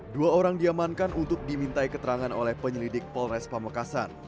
dua orang diamankan untuk dimintai keterangan oleh penyelidik polres pamekasan